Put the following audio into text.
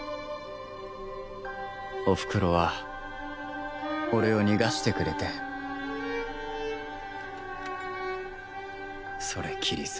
おふくろは俺を逃がしてくれてそれきりさ。